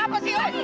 eh pada salah bro